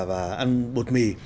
và ăn bột mì